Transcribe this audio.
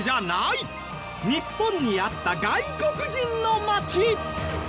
日本にあった外国人の街。